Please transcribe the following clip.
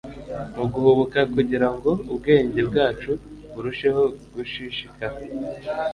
Muguhubuka kugirango ubwenge bwacu burusheho gushishikara